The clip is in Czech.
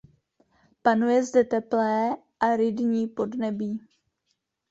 Panuje zde teplé aridní podnebí.